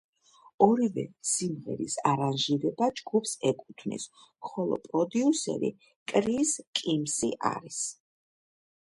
ორივე სიმღერის არანჟირება ჯგუფს ეკუთვნის, ხოლო პროდიუსერი კრის კიმსი არის.